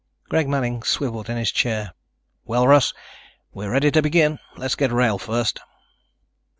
Greg Manning swiveled his chair. "Well, Russ, we're ready to begin. Let's get Wrail first."